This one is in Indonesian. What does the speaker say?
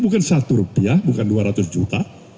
bukan satu rupiah bukan dua ratus juta